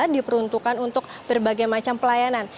diperuntukkan untuk berbagai macam pelayanan